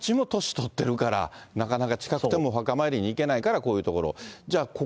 自分たちも年取ってるから、なかなか近くてもお墓参りに行けないから、こういう所。